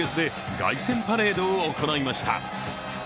凱旋パレードを行いました。